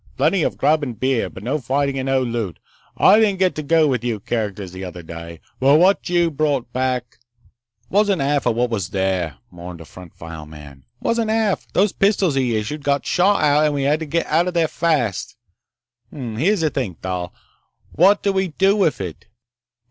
"Plenty of grub and beer, but no fighting and no loot. I didn't get to go with you characters the other day, but what you brought back—" "Wasn't half of what was there," mourned a front file man. "Wasn't half! Those pistols he issued got shot out and we had to get outta there fast!... Hm m m.... Here's this thing, Thal. What do we do with it?"